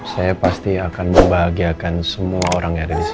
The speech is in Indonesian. saya pasti akan membahagiakan semua orang yang ada di sini